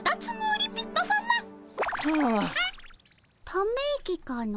ため息かの。